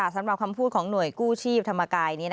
สำหรับคำพูดของหน่วยกู้ชีพธรรมกาย